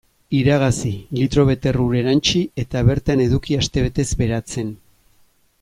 Iragazi, litro bete ur erantsi eta bertan eduki astebetez beratzen.